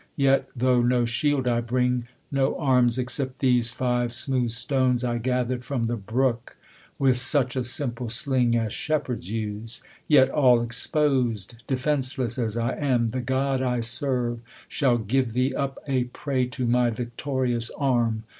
Yet though no shield I bring ; no arms, except These live smooth stones I gathered from the brook, With such a simple soling as shepherds use ; Yet all expos'd, defenceless as I am, The God 1 serve shall give thee up a prey To my victorious ami.